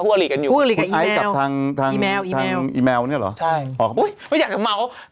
อุ๊ยอยากเตี๊ยบเมา